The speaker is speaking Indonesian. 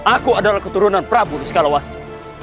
aku adalah keturunan prabu di skala wastu